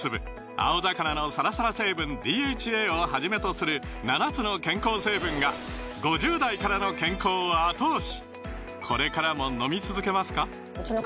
青魚のサラサラ成分ＤＨＡをはじめとする７つの健康成分が５０代からの健康を後押し！